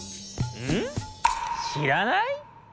うん？しらない？